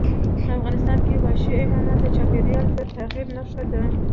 افغانستان کې وحشي حیوانات د چاپېریال د تغیر نښه ده.